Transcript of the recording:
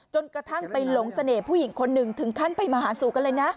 จนกระทั่งไปหลงเสน่ห์ผู้หญิงคนหนึ่งถึงขั้นไปมาหาสู่กันเลยนะ